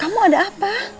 kamu ada apa